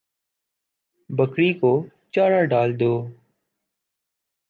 بکری کو چارہ ڈال دو